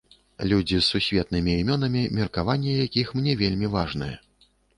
Людзі з сусветнымі імёнамі меркаванне якіх мне вельмі важнае.